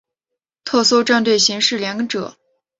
特搜战队刑事连者。